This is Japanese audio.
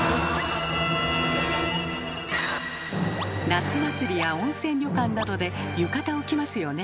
夏祭りや温泉旅館などで浴衣を着ますよね。